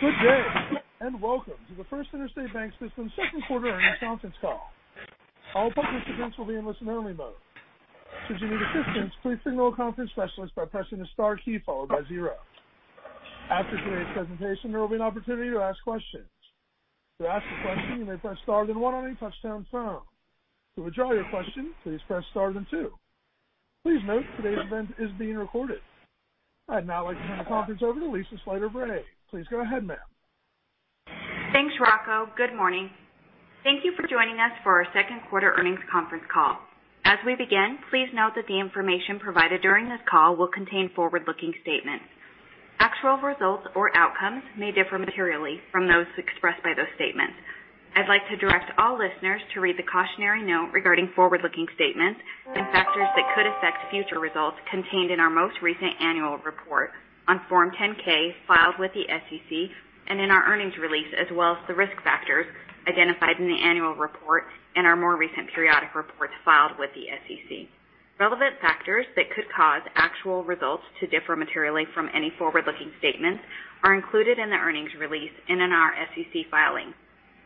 Good day, welcome to the First Interstate BancSystem Second Quarter Earnings Conference Call. All participant lines will be in listen only mode. Should you need assistance, please signal a conference specialist by pressing the star key followed by zero. After today's presentation, there will be an opportunity to ask questions. To ask a question, you may press star then one on your touch-tone phone. To withdraw your question, please press star then two. Please note today's event is being recorded. I'd now like to turn the conference over to Lisa Slyter-Bray. Please go ahead, ma'am. Thanks, Rocco. Good morning. Thank you for joining us for our second quarter earnings conference call. As we begin, please note that the information provided during this call will contain forward-looking statements. Actual results or outcomes may differ materially from those expressed by those statements. I'd like to direct all listeners to read the cautionary note regarding forward-looking statements and factors that could affect future results contained in our most recent annual report on Form 10-K filed with the SEC and in our earnings release, as well as the risk factors identified in the annual report and our more recent periodic reports filed with the SEC. Relevant factors that could cause actual results to differ materially from any forward-looking statements are included in the earnings release and in our SEC filings.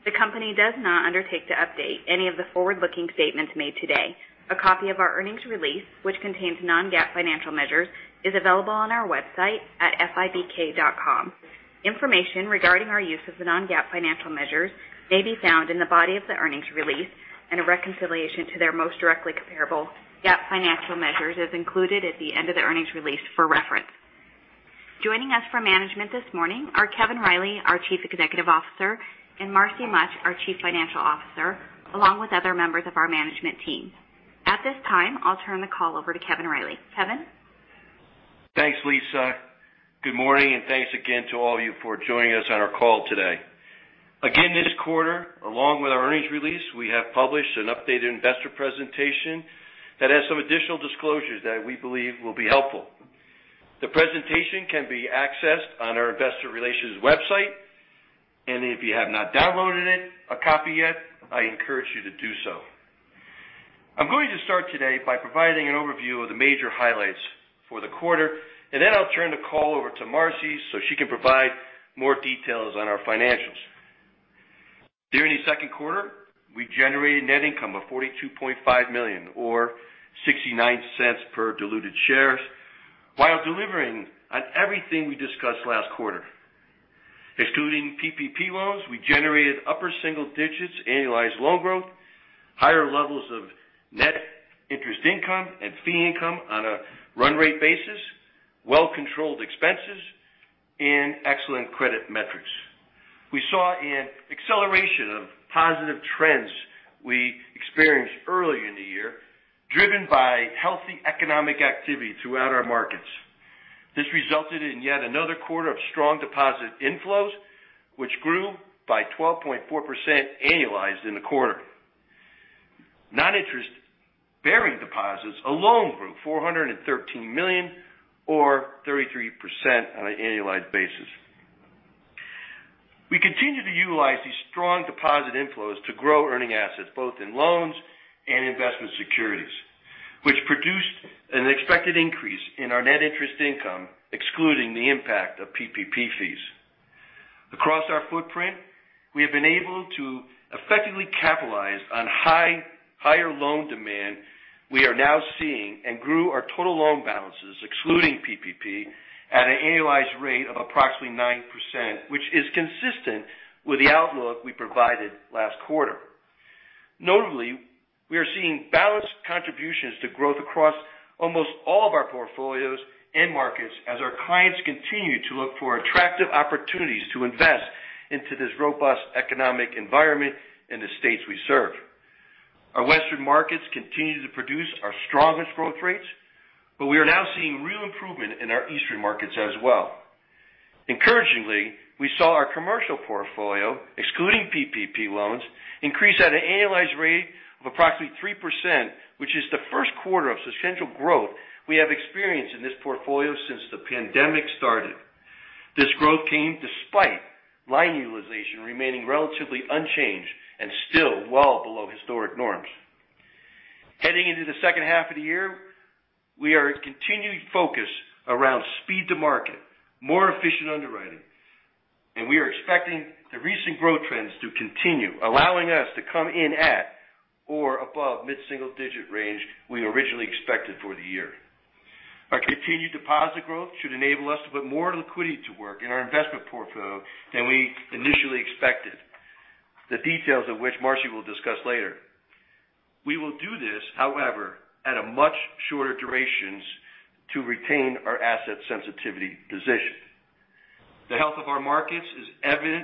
The company does not undertake to update any of the forward-looking statements made today. A copy of our earnings release, which contains non-GAAP financial measures, is available on our website at fibk.com. Information regarding our use of the non-GAAP financial measures may be found in the body of the earnings release, and a reconciliation to their most directly comparable GAAP financial measures is included at the end of the earnings release for reference. Joining us for management this morning are Kevin Riley, our Chief Executive Officer, and Marcy Mutch, our Chief Financial Officer, along with other members of our management team. At this time, I'll turn the call over to Kevin Riley. Kevin? Thanks, Lisa. Good morning, and thanks again to all of you for joining us on our call today. Again, this quarter, along with our earnings release, we have published an updated investor presentation that has some additional disclosures that we believe will be helpful. The presentation can be accessed on our investor relations website. If you have not downloaded a copy yet, I encourage you to do so. I'm going to start today by providing an overview of the major highlights for the quarter, and then I'll turn the call over to Marcy so she can provide more details on our financials. During the second quarter, we generated net income of $42.5 million or $0.69 per diluted share while delivering on everything we discussed last quarter. Excluding PPP loans, we generated upper single digits annualized loan growth, higher levels of net interest income and fee income on a run rate basis, well controlled expenses, and excellent credit metrics. We saw an acceleration of positive trends we experienced early in the year, driven by healthy economic activity throughout our markets. This resulted in yet another quarter of strong deposit inflows, which grew by 12.4% annualized in the quarter. Non-interest-bearing deposits alone grew $413 million or 33% on an annualized basis. We continue to utilize these strong deposit inflows to grow earning assets both in loans and investment securities, which produced an expected increase in our net interest income, excluding the impact of PPP fees. Across our footprint, we have been able to effectively capitalize on higher loan demand we are now seeing and grew our total loan balances, excluding PPP, at an annualized rate of approximately 9%, which is consistent with the outlook we provided last quarter. Notably, we are seeing balanced contributions to growth across almost all of our portfolios and markets as our clients continue to look for attractive opportunities to invest into this robust economic environment in the states we serve. Our Western markets continue to produce our strongest growth rates, but we are now seeing real improvement in our Eastern markets as well. Encouragingly, we saw our commercial portfolio, excluding PPP loans, increase at an annualized rate of approximately 3%, which is the first quarter of substantial growth we have experienced in this portfolio since the pandemic started. This growth came despite line utilization remaining relatively unchanged and still well below historic norms. Heading into the second half of the year, we are continuing focus around speed to market, more efficient underwriting, and we are expecting the recent growth trends to continue, allowing us to come in at or above mid-single-digit range we originally expected for the year. Our continued deposit growth should enable us to put more liquidity to work in our investment portfolio than we initially expected. The details of which Marcy will discuss later. We will do this, however, at a much shorter durations to retain our asset sensitivity position. The health of our markets is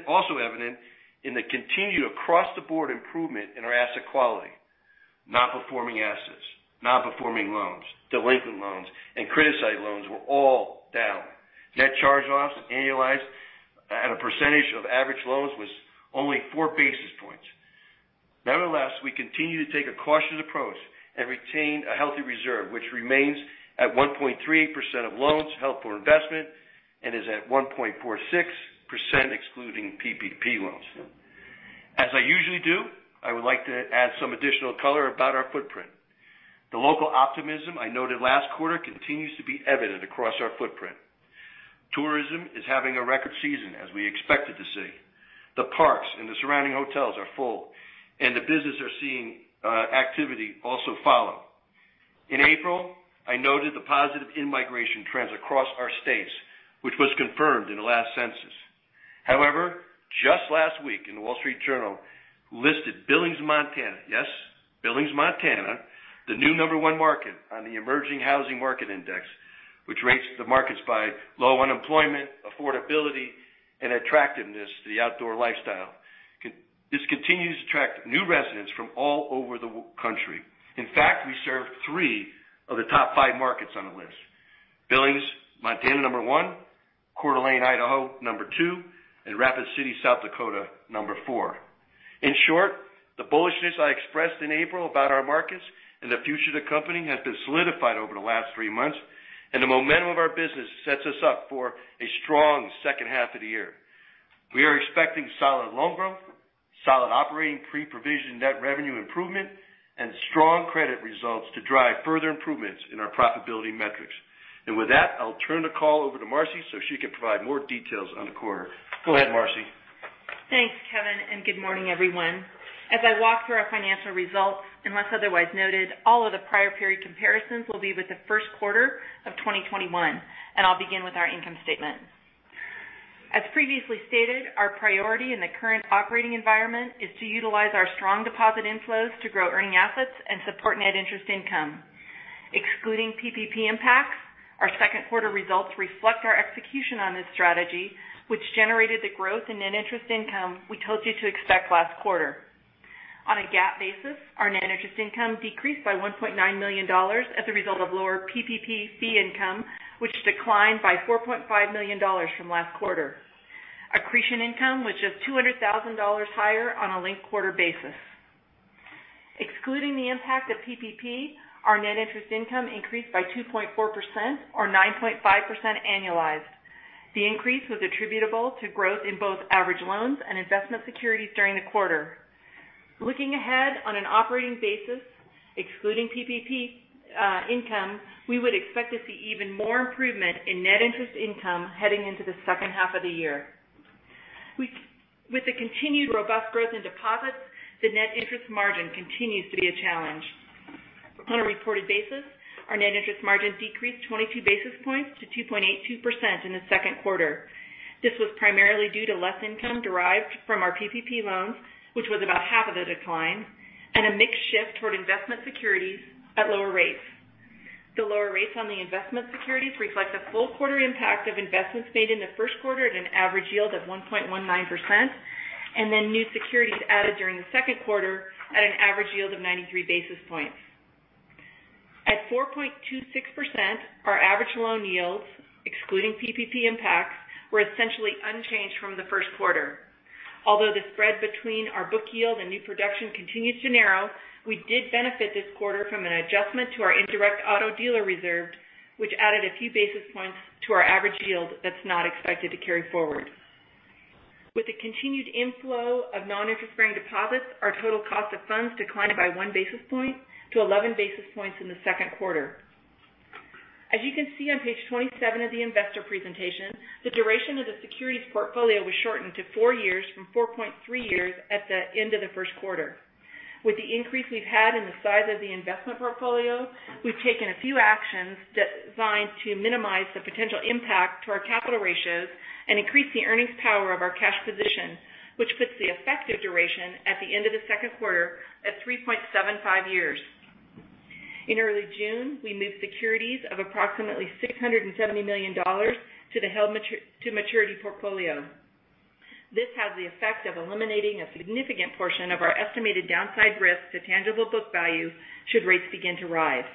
also evident in the continued across-the-board improvement in our asset quality. Non-performing assets, non-performing loans, delinquent loans, and criticized loans were all down. Net charge-offs annualized at a percentage of average loans was only 4 basis points. Nevertheless, we continue to take a cautious approach and retain a healthy reserve, which remains at 1.3% of loans held for investment and is at 1.46% excluding PPP loans. As I usually do, I would like to add some additional color about our footprint. The local optimism I noted last quarter continues to be evident across our footprint. Tourism is having a record season, as we expected to see. The parks and the surrounding hotels are full, and the businesses are seeing activity also follow. In April, I noted the positive in-migration trends across our states, which was confirmed in the last census. Just last week in The Wall Street Journal listed Billings, Montana. Yes, Billings, Montana, the new number one market on the Emerging Housing Market Index, which rates the markets by low unemployment, affordability, and attractiveness to the outdoor lifestyle. This continues to attract new residents from all over the country. In fact, we serve three of the top five markets on the list. Billings, Montana, number one, Coeur d'Alene, Idaho, number two, and Rapid City, South Dakota, number four. In short, the bullishness I expressed in April about our markets and the future of the company has been solidified over the last three months. The momentum of our business sets us up for a strong second half of the year. We are expecting solid loan growth, solid operating pre-provision net revenue improvement, and strong credit results to drive further improvements in our profitability metrics. With that, I'll turn the call over to Marcy so she can provide more details on the quarter. Go ahead, Marcy. Thanks, Kevin, good morning, everyone. As I walk through our financial results, unless otherwise noted, all of the prior period comparisons will be with the first quarter of 2021, and I'll begin with our income statement. As previously stated, our priority in the current operating environment is to utilize our strong deposit inflows to grow earning assets and support net interest income. Excluding PPP impacts, our second quarter results reflect our execution on this strategy, which generated the growth in net interest income we told you to expect last quarter. On a GAAP basis, our net interest income decreased by $1.9 million as a result of lower PPP fee income, which declined by $4.5 million from last quarter. Accretion income, which is $200,000 higher on a linked quarter basis. Excluding the impact of PPP, our net interest income increased by 2.4% or 9.5% annualized. The increase was attributable to growth in both average loans and investment securities during the quarter. Looking ahead, on an operating basis, excluding PPP income, we would expect to see even more improvement in net interest income heading into the second half of the year. With the continued robust growth in deposits, the net interest margin continues to be a challenge. On a reported basis, our net interest margin decreased 22 basis points to 2.82% in the second quarter. This was primarily due to less income derived from our PPP loans, which was about half of the decline and a mix shift toward investment securities at lower rates. The lower rates on the investment securities reflect the full quarter impact of investments made in the first quarter at an average yield of 1.19%, and then new securities added during the second quarter at an average yield of 93 basis points. At 4.26%, our average loan yields, excluding PPP impacts, were essentially unchanged from the first quarter. Although the spread between our book yield and new production continues to narrow, we did benefit this quarter from an adjustment to our indirect auto dealer reserve, which added a few basis points to our average yield that's not expected to carry forward. With the continued inflow of non-interest-bearing deposits, our total cost of funds declined by 1 basis point to 11 basis points in the second quarter. As you can see on page 27 of the investor presentation, the duration of the securities portfolio was shortened to four years from 4.3 years at the end of the first quarter. With the increase we've had in the size of the investment portfolio, we've taken a few actions designed to minimize the potential impact to our capital ratios and increase the earnings power of our cash position, which puts the effective duration at the end of the second quarter at 3.75 years. In early June, we moved securities of approximately $670 million to the held-to-maturity portfolio. This has the effect of eliminating a significant portion of our estimated downside risk to tangible book value should rates begin to rise.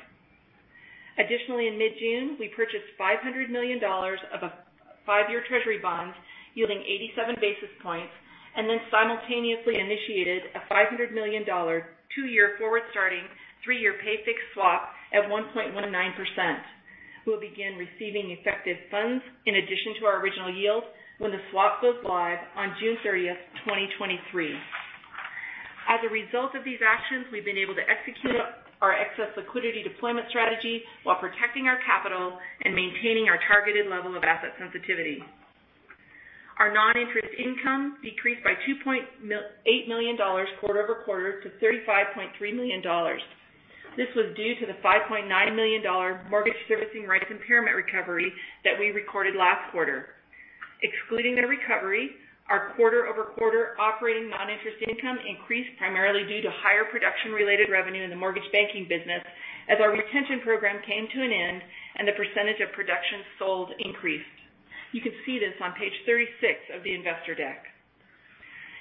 Additionally, in mid-June, we purchased $500 million of a five-year Treasury bond yielding 87 basis points, and then simultaneously initiated a $500 million two-year forward starting, three-year pay fixed swap at 1.19%. We'll begin receiving effective funds in addition to our original yield when the swap goes live on June 30th, 2023. As a result of these actions, we've been able to execute our excess liquidity deployment strategy while protecting our capital and maintaining our targeted level of asset sensitivity. Our non-interest income decreased by $2.8 million quarter-over-quarter to $35.3 million. This was due to the $5.9 million mortgage servicing rights impairment recovery that we recorded last quarter. Excluding the recovery, our quarter-over-quarter operating non-interest income increased primarily due to higher production-related revenue in the mortgage banking business as our retention program came to an end and the percentage of production sold increased. You can see this on page 36 of the investor deck.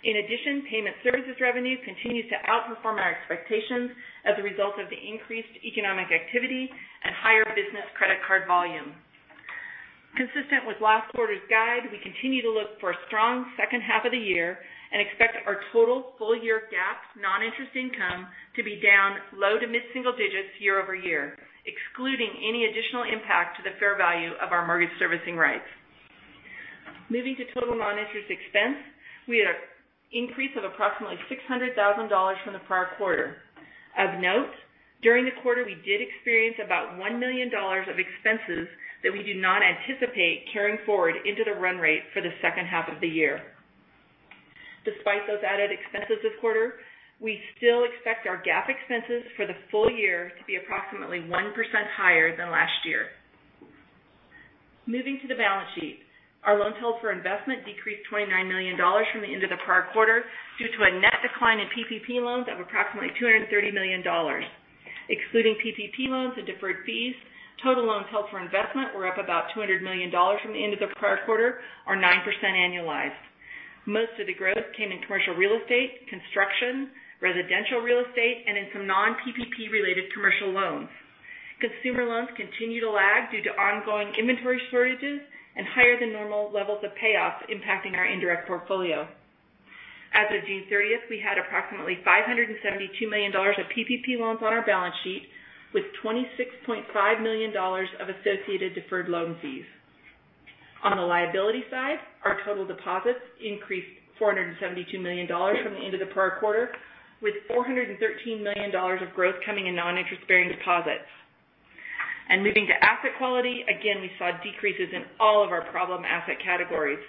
In addition, payment services revenue continues to outperform our expectations as a result of the increased economic activity and higher business credit card volume. Consistent with last quarter's guide, we continue to look for a strong second half of the year and expect our total full year GAAP non-interest income to be down low to mid-single digits year-over-year, excluding any additional impact to the fair value of our mortgage servicing rights. Moving to total non-interest expense, we had an increase of approximately $600,000 from the prior quarter. Of note, during the quarter, we did experience about $1 million of expenses that we do not anticipate carrying forward into the run rate for the second half of the year. Despite those added expenses this quarter, we still expect our GAAP expenses for the full year to be approximately 1% higher than last year. Moving to the balance sheet, our loans held for investment decreased $29 million from the end of the prior quarter due to a net decline in PPP loans of approximately $230 million. Excluding PPP loans and deferred fees, total loans held for investment were up about $200 million from the end of the prior quarter, or 9% annualized. Most of the growth came in commercial real estate, construction, residential real estate, and in some non-PPP related commercial loans. Consumer loans continue to lag due to ongoing inventory shortages and higher than normal levels of payoffs impacting our indirect portfolio. As of June 30th, we had approximately $572 million of PPP loans on our balance sheet, with $26.5 million of associated deferred loan fees. On the liability side, our total deposits increased $472 million from the end of the prior quarter, with $413 million of growth coming in non-interest-bearing deposits. Again, we saw decreases in all of our problem asset categories.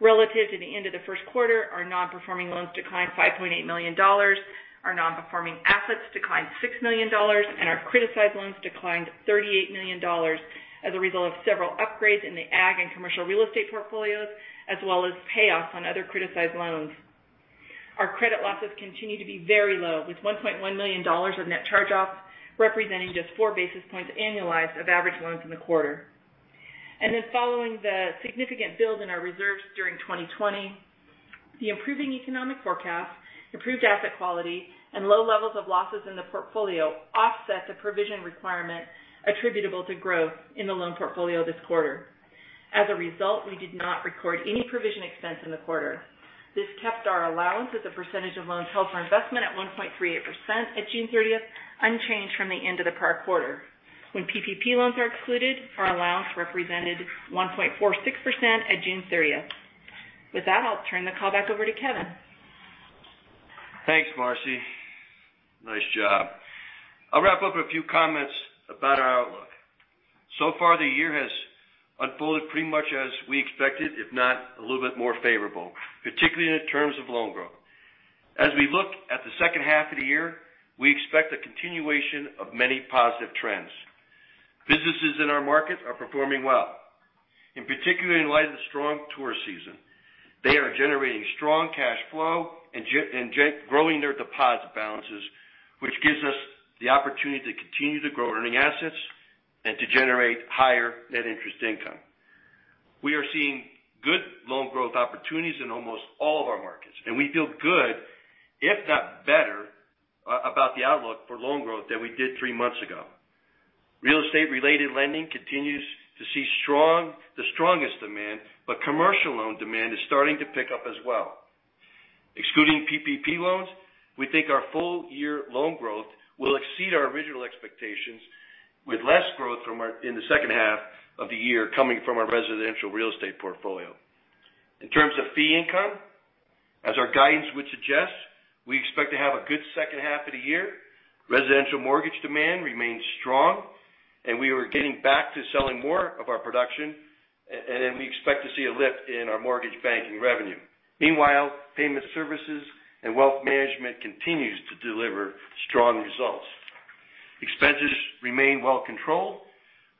Relative to the end of the first quarter, our non-performing loans declined $5.8 million, our non-performing assets declined $6 million, and our criticized loans declined $38 million as a result of several upgrades in the ag and commercial real estate portfolios, as well as payoffs on other criticized loans. Our credit losses continue to be very low, with $1.1 million of net charge-offs, representing just four basis points annualized of average loans in the quarter. Following the significant build in our reserves during 2020, the improving economic forecast, improved asset quality, and low levels of losses in the portfolio offset the provision requirement attributable to growth in the loan portfolio this quarter. As a result, we did not record any provision expense in the quarter. This kept our allowance as a percentage of loans held for investment at 1.38% at June 30th, unchanged from the end of the prior quarter. When PPP loans are excluded, our allowance represented 1.46% at June 30th. With that, I'll turn the call back over to Kevin. Thanks, Marcy. Nice job. I'll wrap up with a few comments about our outlook. So far, the year has unfolded pretty much as we expected, if not a little bit more favorable, particularly in terms of loan growth. As we look at the second half of the year, we expect a continuation of many positive trends. Businesses in our market are performing well, in particular in light of the strong tour season. They are generating strong cash flow and growing their deposit balances, which gives us the opportunity to continue to grow earning assets and to generate higher net interest income. We are seeing good loan growth opportunities in almost all of our markets, and we feel good, if not better, about the outlook for loan growth than we did three months ago. Real estate-related lending continues to see the strongest demand. Commercial loan demand is starting to pick up as well. Excluding PPP loans, we think our full-year loan growth will exceed our original expectations with less growth in the second half of the year coming from our residential real estate portfolio. In terms of fee income, as our guidance would suggest, we expect to have a good second half of the year. Residential mortgage demand remains strong, and we are getting back to selling more of our production, and we expect to see a lift in our mortgage banking revenue. Meanwhile, payment services and wealth management continues to deliver strong results. Expenses remain well controlled,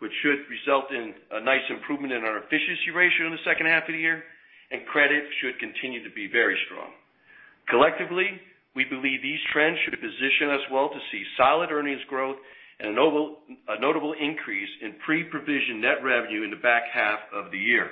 which should result in a nice improvement in our efficiency ratio in the second half of the year, and credit should continue to be very strong. Collectively, we believe these trends should position us well to see solid earnings growth and a notable increase in pre-provision net revenue in the back half of the year.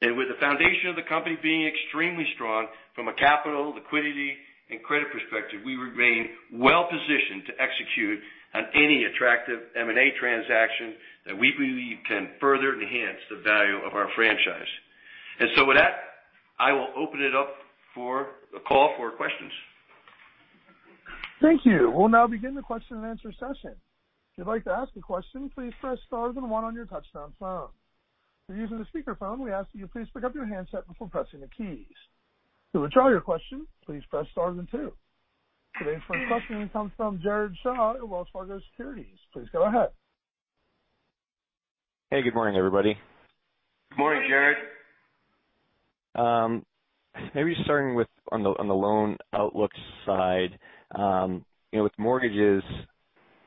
With the foundation of the company being extremely strong from a capital, liquidity, and credit perspective, we remain well positioned to execute on any attractive M&A transaction that we believe can further enhance the value of our franchise. With that, I will open it up for the call for questions. Thank you. We'll now begin the question and answer session. If you'd like to ask a question, please press star then one on your touchtone phone. If you're using a speakerphone, we ask that you please pick up your handset before pressing the keys. To withdraw your question, please press star then two. Today's first question comes from Jared Shaw of Wells Fargo Securities. Please go ahead. Hey, good morning, everybody. Good morning, Jared. Maybe starting with on the loan outlook side. With mortgages,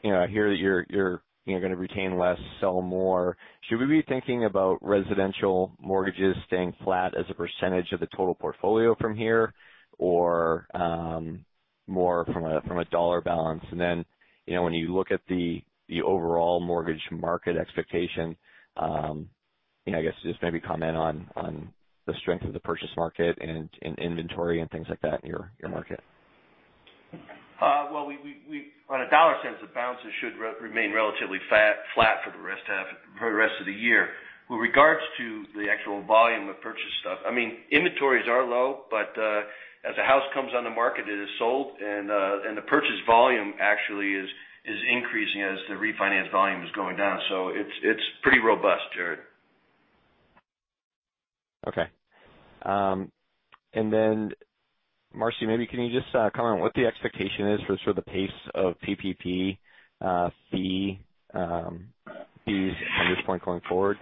I hear that you're going to retain less, sell more. Should we be thinking about residential mortgages staying flat as a percentage of the total portfolio from here or more from a dollar balance? When you look at the overall mortgage market expectation, I guess just maybe comment on the strength of the purchase market and inventory and things like that in your market. Well, on a dollar sense, the balances should remain relatively flat for the rest of the year. With regards to the actual volume of purchase stuff, inventories are low, but as a house comes on the market, it is sold, and the purchase volume actually is increasing as the refinance volume is going down. It's pretty robust, Jared. Okay. Marcy, maybe can you just comment on what the expectation is for the pace of PPP fees from this point going forward?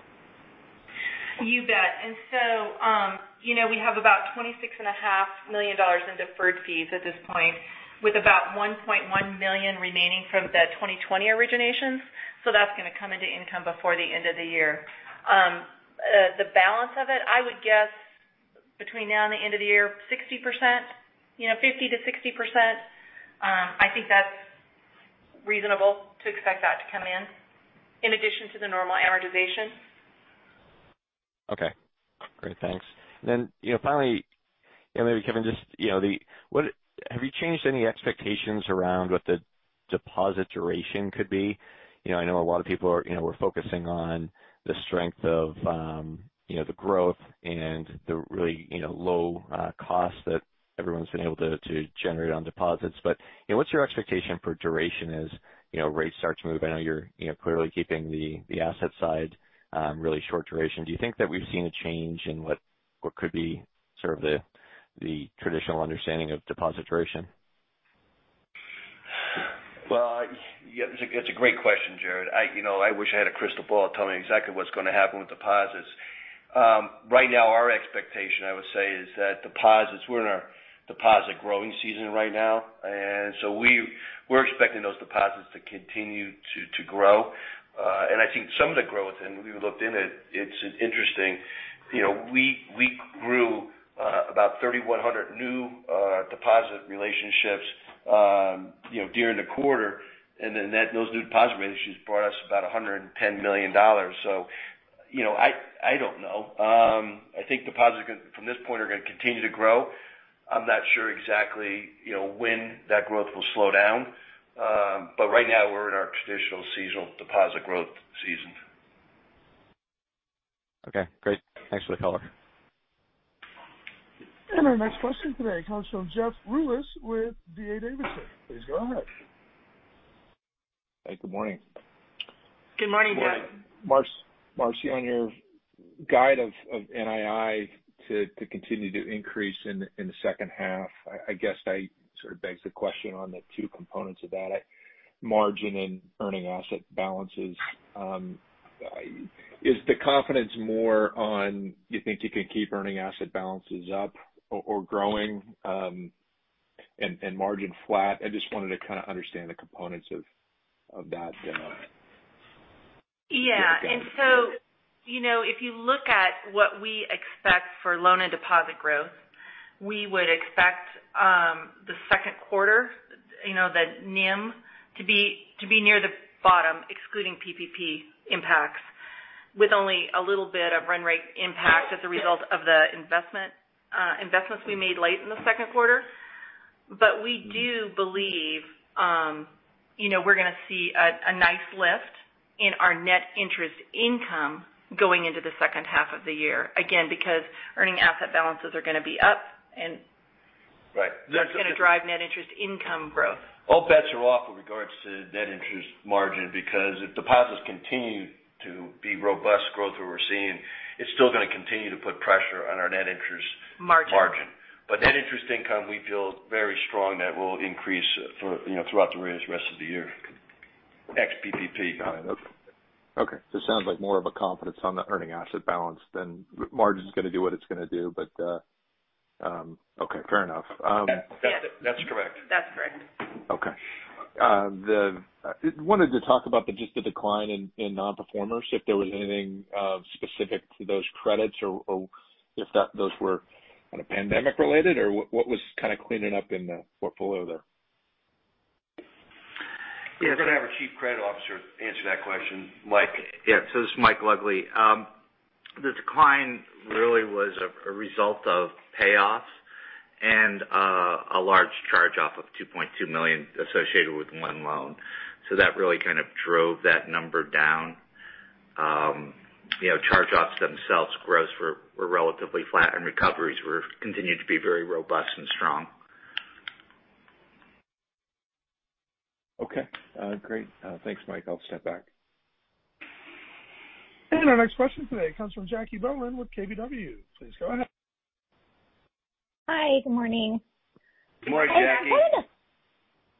You bet. We have about $26.5 million in deferred fees at this point, with about $1.1 million remaining from the 2020 originations. That's going to come into income before the end of the year. The balance of it, I would guess between now and the end of the year, 60%, 50%-60%. I think that's reasonable to expect that to come in in addition to the normal amortization. Okay. Great. Thanks. Finally, maybe Kevin, have you changed any expectations around what the deposit duration could be? I know a lot of people were focusing on the strength of the growth and the really low cost that everyone's been able to generate on deposits. What's your expectation for duration as rates start to move? I know you're clearly keeping the asset side really short duration. Do you think that we've seen a change in what could be the traditional understanding of deposit duration? It's a great question, Jared. I wish I had a crystal ball to tell me exactly what's going to happen with deposits. Right now our expectation, I would say, is that deposits, we're in our deposit growing season right now, we're expecting those deposits to continue to grow. I think some of the growth, and we looked in it's interesting. We grew about 3,100 new deposit relationships during the quarter, then those new deposit relationships brought us about $110 million. I don't know. I think deposits from this point are going to continue to grow. I'm not sure exactly when that growth will slow down. Right now we're in our traditional seasonal deposit growth season. Okay, great. Thanks for the color. Our next question today comes from Jeff Rulis with D.A. Davidson. Please go ahead. Good morning. Good morning, Jeff. Marcy, on your guide of NII to continue to increase in the second half, I guess that sort of begs the question on the two components of that, margin and earning asset balances. Is the confidence more on, you think you can keep earning asset balances up or growing, and margin flat? I just wanted to kind of understand the components of that guidance. Yeah. If you look at what we expect for loan and deposit growth, we would expect the second quarter, the NIM, to be near the bottom, excluding PPP impacts, with only a little bit of run rate impact as a result of the investments we made late in the second quarter. We do believe we're going to see a nice lift in our net interest income going into the second half of the year. Again, because earning asset balances are going to be up. Right. That's going to drive net interest income growth. All bets are off with regards to net interest margin because if deposits continue to be robust growth where we're seeing, it's still going to continue to put pressure on our net interest margin. Net interest income, we feel very strong that will increase throughout the rest of the year, ex PPP. Got it. Okay. It sounds like more of a confidence on the earning asset balance than margin's going to do what it's going to do. Okay, fair enough. Yes. That's correct. That's correct. Okay. Wanted to talk about just the decline in non-performers, if there was anything specific to those credits or if those were pandemic related, or what was kind of cleaning up in the portfolio there? Yes. I'm going to have our Chief Credit Officer answer that question, Mike. Yeah. This is Mike Lugley. The decline really was a result of payoffs and a large charge-off of $2.2 million associated with one loan. That really kind of drove that number down. Charge-offs themselves, gross were relatively flat and recoveries continued to be very robust and strong. Okay. Great. Thanks, Mike. I'll step back. Our next question today comes from Jacquelynne Bohlen with KBW. Please go ahead. Hi. Good morning. Good morning, Jacquelynne.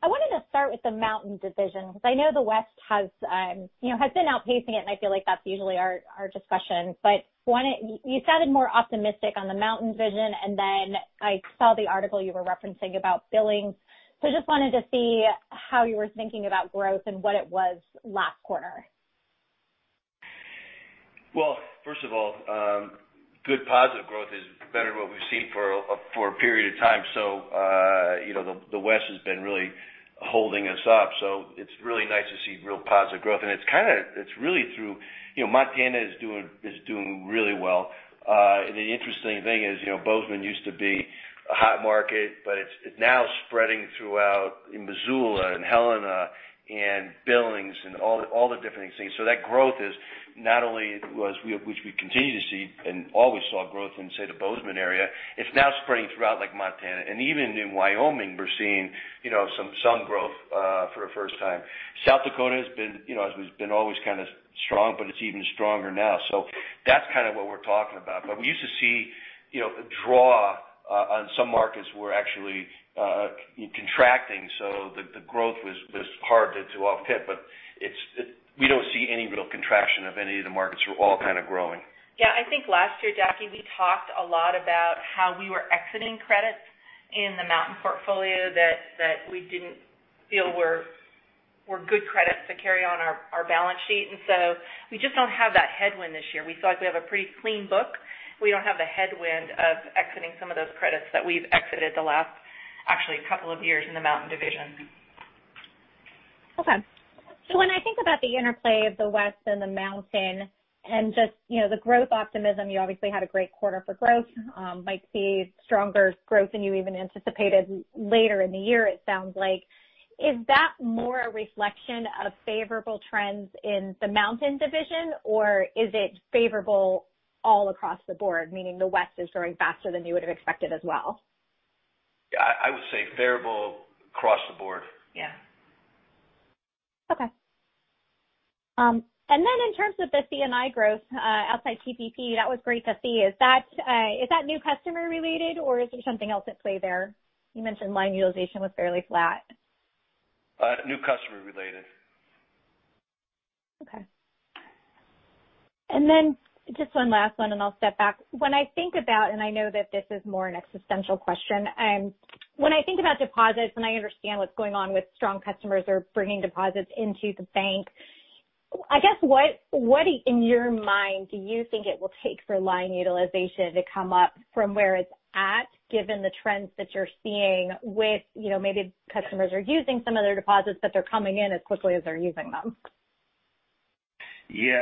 I wanted to start with the Mountain Division because I know the West has been outpacing it and I feel like that's usually our discussion. You sounded more optimistic on the Mountain Division, and then I saw the article you were referencing about Billings. I just wanted to see how you were thinking about growth and what it was last quarter. Well, first of all, good positive growth is better than what we've seen for a period of time. The West has been really holding us up. It's really nice to see real positive growth. It's really through Montana is doing really well. The interesting thing is, Bozeman used to be a hot market, but it's now spreading throughout in Missoula and Helena and Billings and all the different things. That growth is not only which we continue to see and always saw growth in, say, the Bozeman area. It's now spreading throughout Montana and even in Wyoming, we're seeing some growth for the first time. South Dakota has been, as we've been always kind of strong, but it's even stronger now. That's kind of what we're talking about. We used to see a draw on some markets were actually contracting. The growth was hard to offset. We don't see any real contraction of any of the markets. We're all kind of growing. Yeah. I think last year, Jackie, we talked a lot about how we were exiting credits in the Mountain portfolio that we didn't feel were good credits to carry on our balance sheet. We just don't have that headwind this year. We feel like we have a pretty clean book. We don't have the headwind of exiting some of those credits that we've exited the last actually couple of years in the Mountain Division. When I think about the interplay of the West and the Mountain and just the growth optimism, you obviously had a great quarter for growth. Might see stronger growth than you even anticipated later in the year, it sounds like. Is that more a reflection of favorable trends in the Mountain Division, or is it favorable all across the board, meaning the West is growing faster than you would've expected as well? I would say favorable across the board. Yeah. Okay. In terms of the C&I growth outside PPP, that was great to see. Is that new customer related, or is there something else at play there? You mentioned line utilization was fairly flat. New customer related. Okay. Just one last one, and I'll step back. When I think about, I know that this is more an existential question. When I think about deposits, I understand what's going on with strong customers are bringing deposits into the bank. I guess, what in your mind, do you think it will take for line utilization to come up from where it's at, given the trends that you're seeing with maybe customers are using some of their deposits, but they're coming in as quickly as they're using them? Yeah.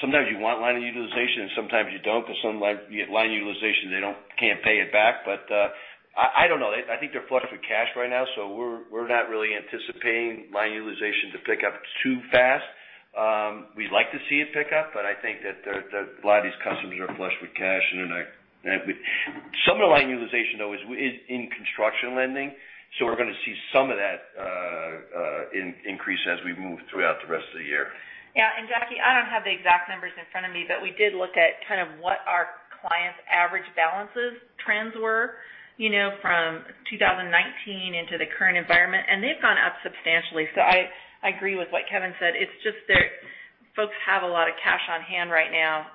Sometimes you want line utilization and sometimes you don't because some line utilization, they can't pay it back. I don't know. I think they're flush with cash right now, so we're not really anticipating line utilization to pick up too fast. We'd like to see it pick up, but I think that a lot of these customers are flush with cash and they're not Some of the line utilization, though, is in construction lending. We're going to see some of that increase as we move throughout the rest of the year. Yeah. Jacquelynne, I don't have the exact numbers in front of me, but we did look at kind of what our clients' average balances trends were from 2019 into the current environment, and they've gone up substantially. I agree with what Kevin said. It's just that folks have a lot of cash on hand right now,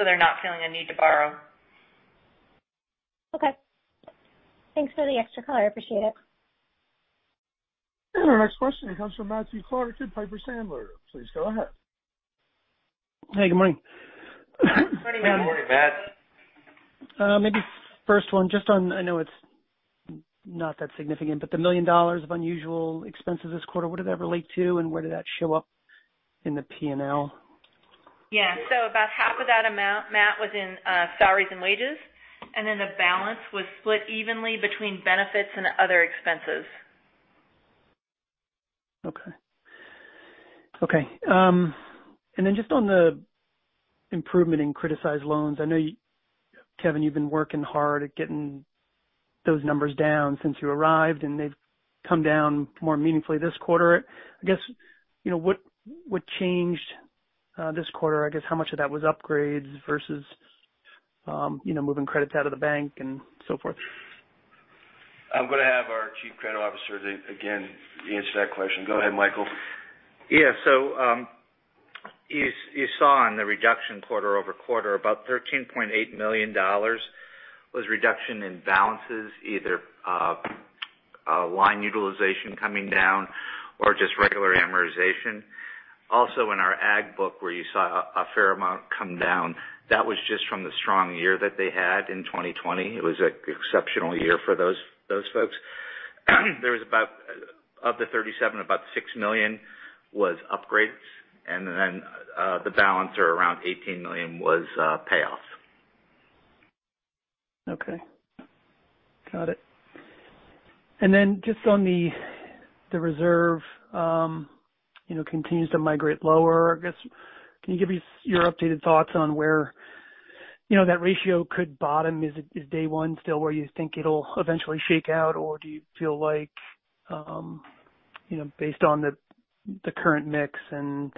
they're not feeling a need to borrow. Okay. Thanks for the extra color. I appreciate it. Our next question comes from Matthew Clark at Piper Sandler. Please go ahead. Hey, good morning. Good morning, Matt. Good morning, Matt. Maybe first one, just on, I know it's not that significant, but the $1 million of unusual expenses this quarter, what did that relate to and where did that show up in the P&L? About half of that amount, Matt, was in salaries and wages, and then the balance was split evenly between benefits and other expenses. Okay. Just on the improvement in criticized loans. I know, Kevin, you've been working hard at getting those numbers down since you arrived, and they've come down more meaningfully this quarter. I guess, what changed this quarter? I guess how much of that was upgrades versus moving credits out of the bank and so forth? I'm going to have our Chief Credit Officer again answer that question. Go ahead, Mike. Yeah. You saw on the reduction quarter-over-quarter, about $13.8 million was reduction in balances, either line utilization coming down or just regular amortization. Also, in our ag book, where you saw a fair amount come down, that was just from the strong year that they had in 2020. It was an exceptional year for those folks. Of the 37, about $6 million was upgrades, and then the balance, or around $18 million, was payoffs. Okay. Got it. Just on the reserve continues to migrate lower. I guess, can you give me your updated thoughts on where that ratio could bottom? Is day one still where you think it'll eventually shake out, or do you feel like, based on the current mix and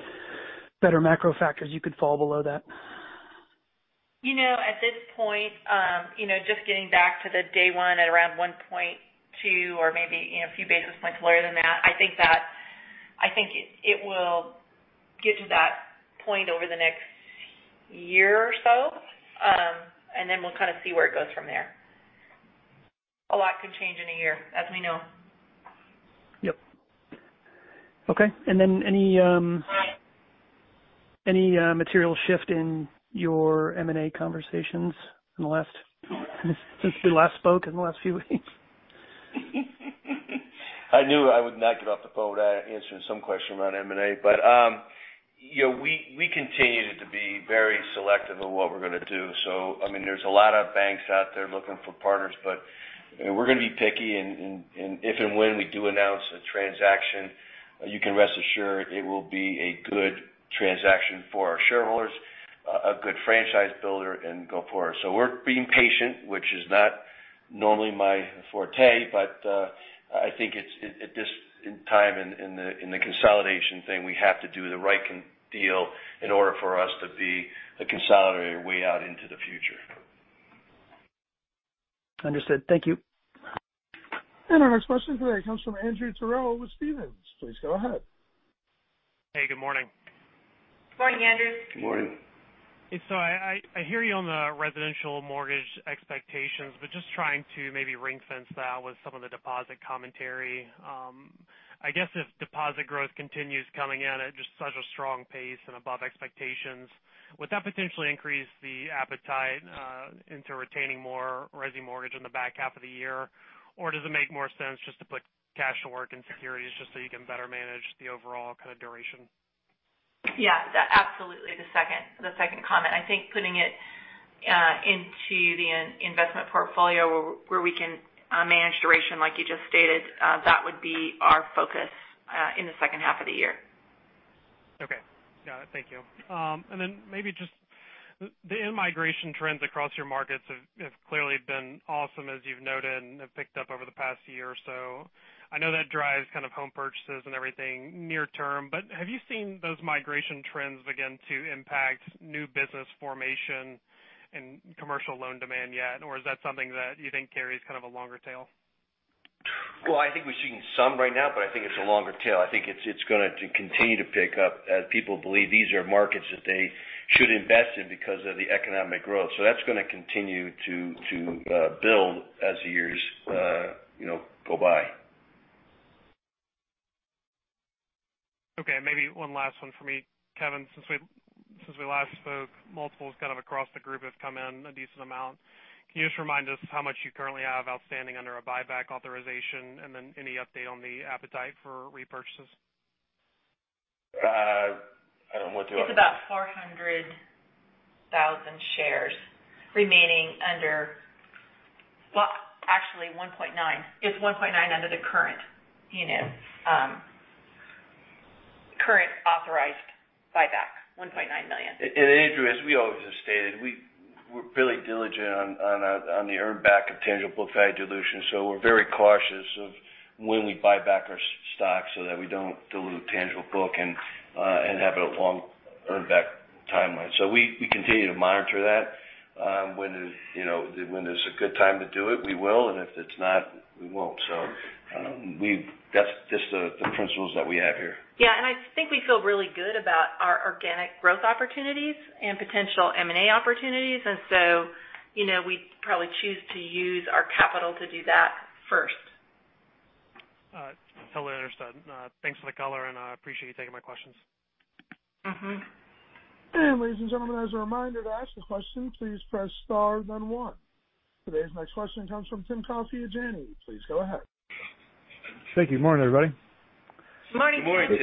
better macro factors, you could fall below that? At this point, just getting back to the day one at around 1.2 or maybe a few basis points lower than that, I think it will get to that point over the next one year or so. We'll kind of see where it goes from there. A lot could change in one year, as we know. Yep. Okay. Any material shift in your M&A conversations since we last spoke in the last few weeks? I knew I would not get off the phone without answering some question around M&A. We continue to be very selective of what we're going to do. There's a lot of banks out there looking for partners, but we're going to be picky. If and when we do announce a transaction, you can rest assured it will be a good transaction for our shareholders, a good franchise builder and go forward. We're being patient, which is not normally my forte, but I think at this time in the consolidation thing, we have to do the right deal in order for us to be a consolidator way out into the future. Understood. Thank you. Our next question today comes from Andrew Terrell with Stephens. Please go ahead. Hey, good morning. Good morning, Andrew. Good morning. I hear you on the residential mortgage expectations, but just trying to maybe ring-fence that with some of the deposit commentary. I guess if deposit growth continues coming in at just such a strong pace and above expectations, would that potentially increase the appetite into retaining more resi mortgage in the back half of the year? Or does it make more sense just to put cash to work in securities just so you can better manage the overall kind of duration? Absolutely the second comment. I think putting it into the investment portfolio where we can manage duration like you just stated, that would be our focus in the second half of the year. Okay. Got it. Thank you. Maybe just the in-migration trends across your markets have clearly been awesome, as you've noted, and have picked up over the past year or so. I know that drives kind of home purchases and everything near term, have you seen those migration trends begin to impact new business formation and commercial loan demand yet? Is that something that you think carries kind of a longer tail? Well, I think we're seeing some right now. I think it's a longer tail. I think it's going to continue to pick up as people believe these are markets that they should invest in because of the economic growth. That's going to continue to build as the years go by. Okay, maybe one last one for me. Kevin, since we last spoke, multiples kind of across the group have come in a decent amount. Can you just remind us how much you currently have outstanding under a buyback authorization, and then any update on the appetite for repurchases? It's about 400,000 shares remaining well, actually $1.9 million. It's $1.9 million under the current authorized buyback, $1.9 million. Andrew, as we always have stated, we're really diligent on the earn back of tangible book value dilution. We're very cautious of when we buy back our stock so that we don't dilute tangible book and have a long earn-back timeline. We continue to monitor that. When there's a good time to do it, we will, and if it's not, we won't. That's just the principles that we have here. Yeah, I think we feel really good about our organic growth opportunities and potential M&A opportunities. We'd probably choose to use our capital to do that first. Totally understood. Thanks for the color, and I appreciate you taking my questions. Ladies and gentlemen, as a reminder, to ask a question, please press star 1. Today's next question comes from Tim Coffey at Janney. Please go ahead. Thank you. Good morning, everybody. Good morning. Good morning,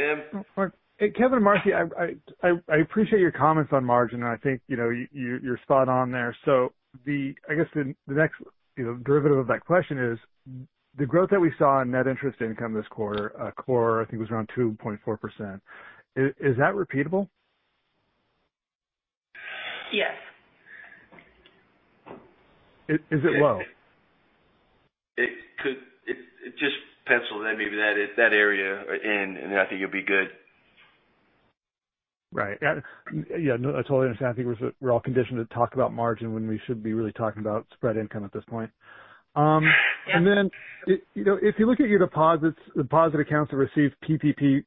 Tim. Hey, Kevin and Marcy, I appreciate your comments on margin, and I think you're spot on there. I guess the next derivative of that question is, the growth that we saw in net interest income this quarter, core, I think, was around 2.4%. Is that repeatable? Yes. Is it low? It just pencils in maybe that area, and I think it'll be good. Right. Yeah, no, I totally understand. I think we're all conditioned to talk about margin when we should be really talking about spread income at this point. If you look at your deposits, deposit accounts that receive PPP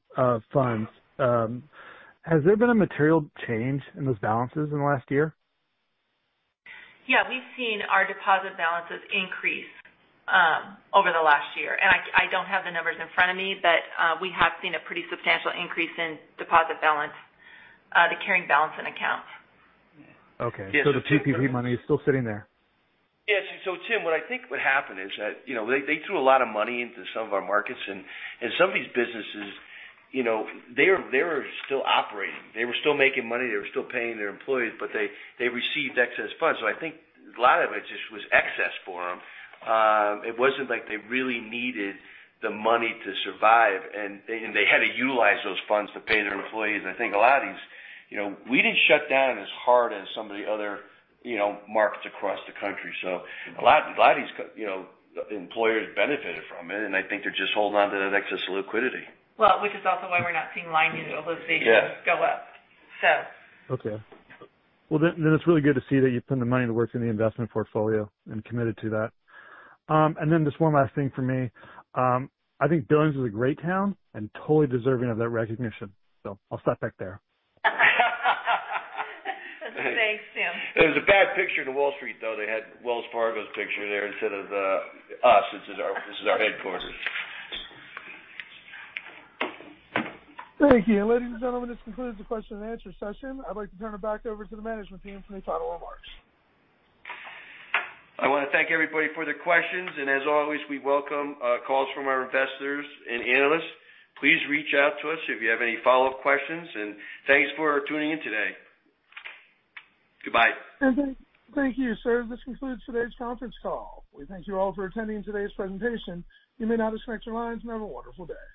funds, has there been a material change in those balances in the last year? Yeah. We've seen our deposit balances increase over the last year. I don't have the numbers in front of me, but we have seen a pretty substantial increase in deposit balance, the carrying balance in accounts. Okay. The PPP money is still sitting there. Yeah. Tim, what I think would happen is that they threw a lot of money into some of our markets, and some of these businesses, they were still operating. They were still making money. They were still paying their employees, but they received excess funds. I think a lot of it just was excess for them. It wasn't like they really needed the money to survive and they had to utilize those funds to pay their employees. I think a lot of these we didn't shut down as hard as some of the other markets across the country. A lot of these employers benefited from it, and I think they're just holding onto that excess liquidity. Well, which is also why we're not seeing line utilization go up, so. Yeah. Okay. Well, it's really good to see that you've put the money to work in the investment portfolio and committed to that. Just one last thing for me. I think Billings is a great town and totally deserving of that recognition. I'll stop back there. Thanks, Tim. It was a bad picture to Wall Street, though. They had Wells Fargo's picture there instead of us. This is our headquarters. Thank you. Ladies and gentlemen, this concludes the question and answer session. I'd like to turn it back over to the management team for any final remarks. I want to thank everybody for their questions. As always, we welcome calls from our investors and analysts. Please reach out to us if you have any follow-up questions. Thanks for tuning in today. Goodbye. Thank you, sir. This concludes today's conference call. We thank you all for attending today's presentation. You may now disconnect your lines and have a wonderful day.